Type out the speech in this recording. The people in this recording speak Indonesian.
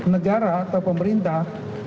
negara atau pemerintah